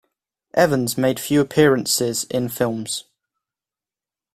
Evans made few appearances in films.